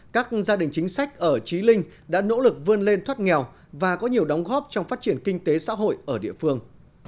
các gia đình chính sách ở trí linh đã nỗ lực vươn lên thoát nghèo và có nhiều đóng góp trong phát triển kinh tế xã hội ở địa phương